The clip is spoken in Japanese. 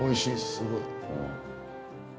すごい。